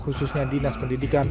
khususnya dinas pendidikan